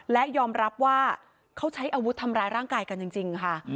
และยอมรับว่าเขาใช้อาวุธทำร้ายร่างกายกันจริงค่ะ